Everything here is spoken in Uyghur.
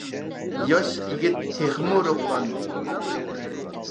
ياش يىگىت تېخىمۇ روھلاندى.